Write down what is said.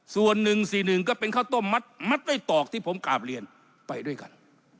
ส่วน๑๔๑ก็เป็นข้าวต้มมัดไส้ตอกที่ผมกราบเรียนไปด้วยกัน